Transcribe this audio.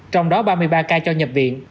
trong đó ba mươi ba ca cho nhập viện